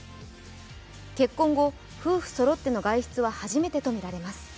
結婚後、夫婦そろっての外出は初めてとみられます。